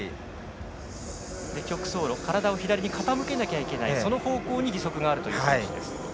曲走路体を左に傾けなきゃいけないその方向に義足があるという選手。